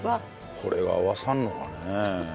これが合わさるのかね？